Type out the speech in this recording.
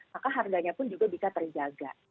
maka harganya pun juga bisa terjaga